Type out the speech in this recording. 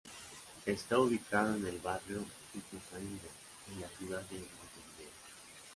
Está ubicado en el barrio Ituzaingó, en la ciudad de Montevideo.